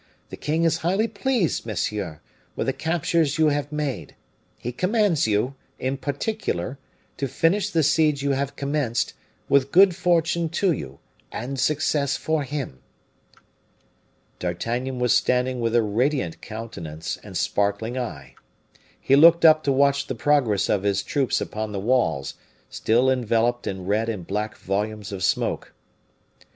The king is highly pleased, monsieur, with the captures you have made; he commands you, in particular, to finish the siege you have commenced, with good fortune to you, and success for him." D'Artagnan was standing with a radiant countenance and sparkling eye. He looked up to watch the progress of his troops upon the walls, still enveloped in red and black volumes of smoke.